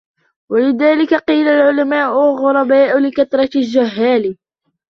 وَلِذَلِكَ قِيلَ الْعُلَمَاءُ غُرَبَاءُ لِكَثْرَةِ الْجُهَّالِ